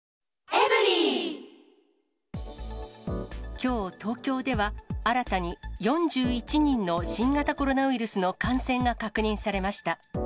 きょう、東京では新たに４１人の新型コロナウイルスの感染が確認されました。